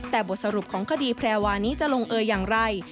แต่บทสรุปของคดีแพรวานี้จะลงเอยอย่างไร